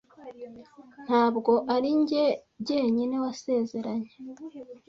Ntabwo ari njye jyenyine wasezeranye.